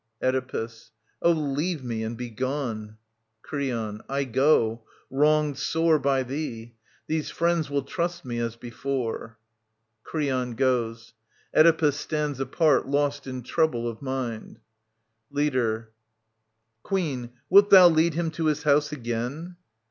Oedipus. Oh, leave me and begone I Creon. I go, wronged sore By thee. These friends will trust me as before. [Creon goes. Oedipus stands apart lost in » trouble of mind. ' Leader. [Antistrophe, Queen, wilt thou lead him to his house again